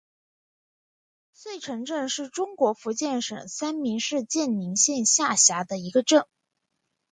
濉城镇是中国福建省三明市建宁县下辖的一个镇。